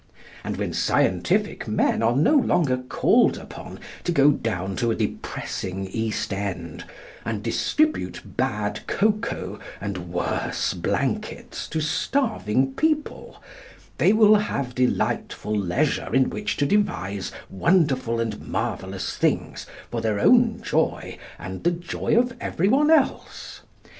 And when scientific men are no longer called upon to go down to a depressing East End and distribute bad cocoa and worse blankets to starving people, they will have delightful leisure in which to devise wonderful and marvellous things for their own joy and the joy of everyone else.